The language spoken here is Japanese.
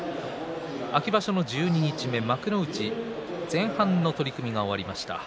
秋場所の十二日目幕内前半の取組が終わりました。